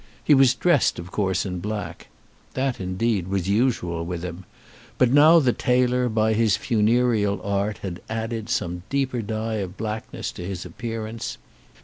He was dressed of course in black. That, indeed, was usual with him, but now the tailor by his funereal art had added some deeper dye of blackness to his appearance.